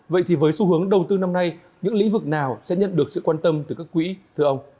vậy thì với xu hướng đầu tư năm nay những lĩnh vực nào sẽ nhận được sự quan tâm từ các quỹ thưa ông